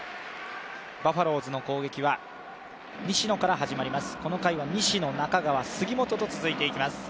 バファローズの攻撃は西野から始まります。